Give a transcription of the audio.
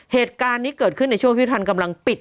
เหตุการณ์นี้เกิดขึ้นในช่วงที่ทันกำลังปิด